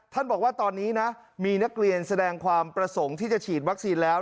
บอกว่าตอนนี้นะมีนักเรียนแสดงความประสงค์ที่จะฉีดวัคซีนแล้ว